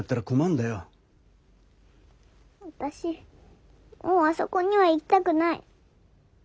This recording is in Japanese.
私もうあそこには行きたくない。